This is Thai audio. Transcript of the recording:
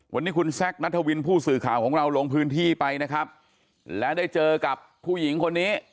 วันนี้คุณแซคนัทวินผู้สื่อข่าวของเราลงพื้นที่ไปนะครับและได้เจอกับผู้หญิงคนนี้